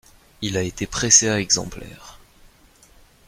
Il a été pressé à exemplaires.